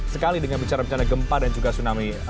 sekali dengan bicara bencana gempa dan juga tsunami